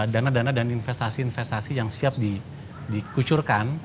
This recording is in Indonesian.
dana dana dan investasi investasi yang siap dikucurkan